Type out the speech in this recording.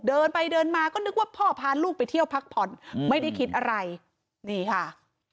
เดินไปเดินมาก็นึกว่าพ่อพาลูกไปเที่ยวพักผ่อนอืมไม่ได้คิดอะไรนี่ค่ะ